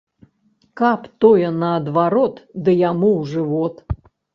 Каб тое наадварот ды яму ў жывот.